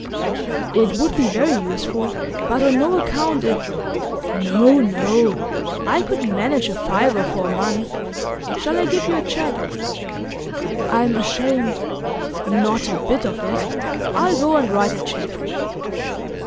'It would be very useful. But on no account if ' 'No, no; I could manage a fiver, for a month. Shall I give you a cheque?' 'I'm ashamed ' 'Not a bit of it! I'll go and write the cheque.